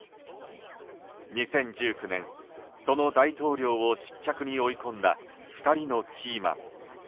２０１９年、その大統領を失脚に追い込んだ２人のキーマン。